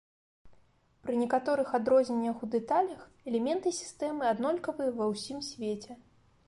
Пры некаторых адрозненнях у дэталях, элементы сістэмы аднолькавыя ва ўсім свеце.